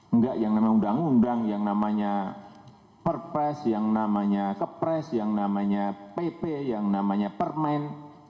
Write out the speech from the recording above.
enggak yang namanya undang undang yang namanya perpres yang namanya kepres yang namanya pp yang namanya permen